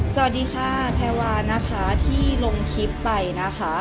สวัสดีค่ะแพรวานะคะที่ลงคลิปไปนะคะ